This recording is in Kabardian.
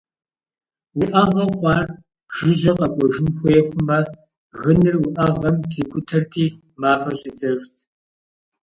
Уӏэгъэ хъуар жыжьэ къэкӏуэжын хуей хъумэ, гыныр уӏэгъэм трикӏутэрти мафӏэ щӏидзэжт.